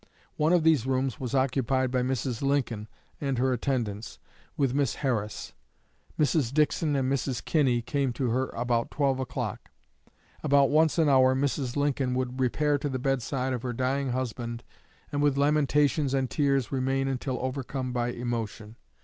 One of these rooms was occupied by Mrs. Lincoln and her attendants, with Miss Harris. Mrs. Dixon and Mrs. Kinney came to her about twelve o'clock. About once an hour Mrs. Lincoln would repair to the bedside of her dying husband and with lamentations and tears remain until overcome by emotion....